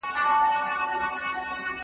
هغې باور لري چې دماغ فعال پاتې کېږي.